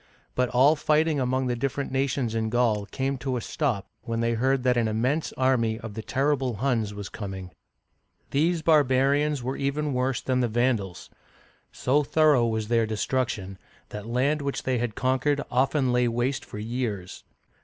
But all fighting among the different nations in Gaul came to a stop when they heard that an immense army of the terrible Huns was coming. These barbarians were even worse than the Vandals; so thorough was their destruction, that land which they had conquered often lay waste for years.